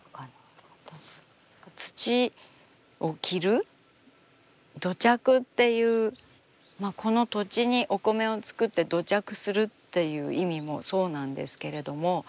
土を着る土着っていうこの土地にお米を作って土着するっていう意味もそうなんですけれども。